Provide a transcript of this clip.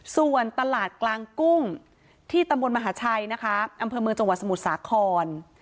ส่วนตลาดกลางกุ้งที่ตำบลมหาชัยนะคะอำเภอเมืองจังหวัดสมุทรสาคร